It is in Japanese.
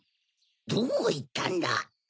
どこいったんだ？